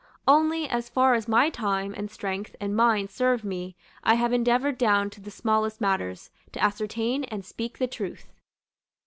Only, as far as my time, and strength, and mind served me, I have endeavored down to the smallest matters, to ascertain and speak the truth.